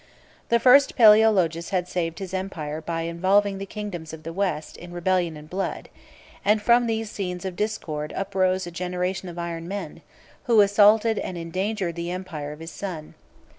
The first Palæologus had saved his empire by involving the kingdoms of the West in rebellion and blood; and from these scenes of discord uprose a generation of iron men, who assaulted and endangered the empire of his son.